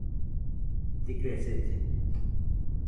Llɨkɨe selle